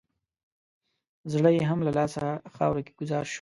زړه یې هم له لاسه خاورو کې ګوزار شو.